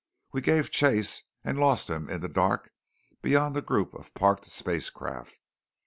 We gave chase and lost him in the dark beyond a group of parked spacecraft.